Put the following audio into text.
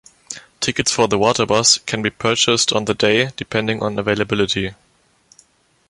Tickets for the Waterbus can be purchased on the day depending on availability.